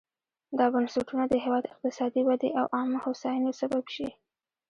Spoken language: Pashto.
دا بنسټونه د هېواد اقتصادي ودې او عامه هوساینې سبب شي.